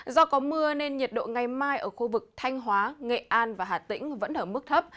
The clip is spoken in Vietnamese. do có mưa nên nhiệt độ ngày mai ở khu vực thanh hóa nghệ an và hà tĩnh vẫn ở mức thấp